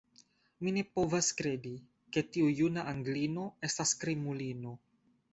Mi ne povas kredi, ke tiu juna anglino estas krimulino.